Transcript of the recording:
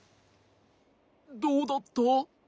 どうだった？